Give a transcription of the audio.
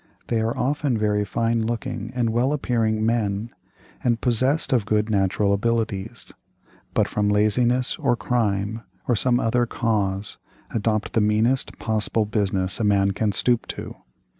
They are often very fine looking and well appearing men, and possessed of good natural abilities; but, from laziness or crime, or some other cause, adopt the meanest possible business a man can stoop to.